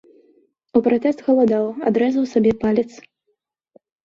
У пратэст галадаў, адрэзаў сабе палец.